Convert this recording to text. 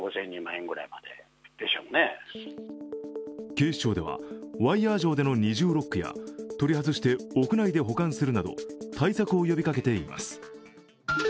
警視庁ではワイヤー錠での二重ロックや取り外して屋内で保管するなど対策を呼びかけています。